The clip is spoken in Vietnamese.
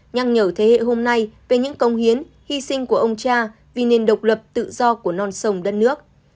nhắc nhở thế hệ hôm nay về những công hiến hy sinh của ông cha vì nền độc lập tự do của non sông đất nước